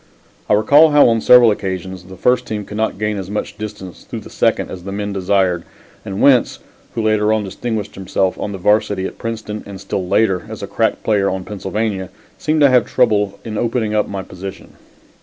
I recall how on several occasions the first team could not gain as much distance through the second as the men desired, and Wentz, who later on distinguished himself on the Varsity at Princeton and still later as a crack player on Pennsylvania, seemed to have trouble in opening up my position.